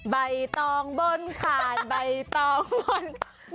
ใบตองบนคานใบตองบนคาน